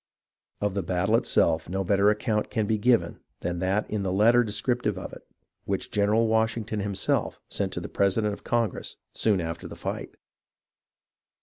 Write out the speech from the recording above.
Of the battle itself no better account can be given than that in the letter descriptive of it, which Gen eral Washington himself sent to the president of Congress soon after the fight.